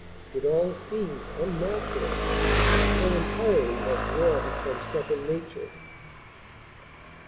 It all seems unnatural, so entirely has war become second nature.